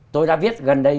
tôi đã viết gần đây